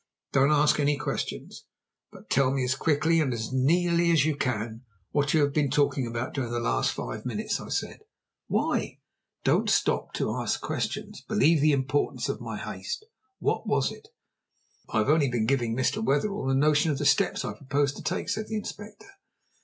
"Don't ask any questions, but tell me as quickly, and as nearly as you can, what you have been talking about during the last five minutes," I said. "Why?" "Don't stop to ask questions. Believe in the importance of my haste. What was it?" "I have only been giving Mr. Wetherell a notion of the steps I propose to take," said the Inspector.